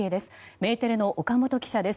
メテレの岡本記者です。